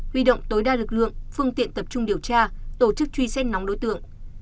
huy động tối đa lực lượng phương tiện tập trung điều tra tổ chức truy xét nóng đối tượng